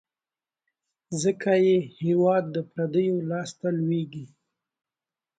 ځکه یې هیواد د پردیو لاس ته لوېږي.